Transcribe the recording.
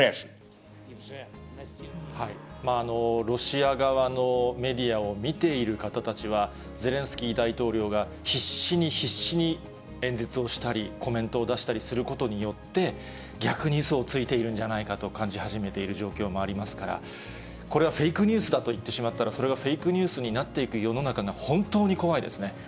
ロシア側のメディアを見ている方たちは、ゼレンスキー大統領が必死に、必死に演説をしたり、コメントを出したりすることによって、逆にうそをついているんじゃないかと感じ始めている状況もありますから、これはフェイクニュースだと言ってしまったら、それがフェイクニュースになっていく世の中が本当に怖いですね。